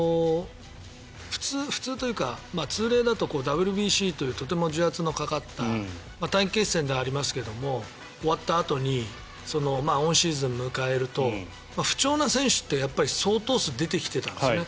普通普通というか通例だとＷＢＣというとても重圧のかかった短期決戦ではありますけど終わったあとにオンシーズンを迎えると不調な選手って相当数、出てきてたんですね。